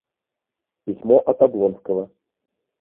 Письмо от Облонского.